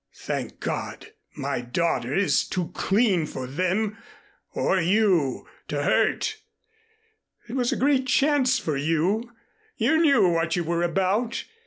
Thank God, my daughter is too clean for them or you to hurt. It was a great chance for you. You knew what you were about.